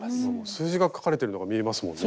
数字が書かれてるのが見えますもんね。